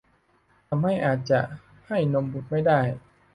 ทำให้อาจจะให้นมบุตรไม่ได้